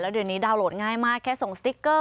เดี๋ยวนี้ดาวนโหลดง่ายมากแค่ส่งสติ๊กเกอร์